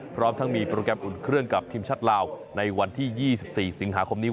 พร้อมทั้งมีโปรแกรมอุ่นเครื่องกับทีมชาติลาวในวันที่๒๔สิงหาคมนี้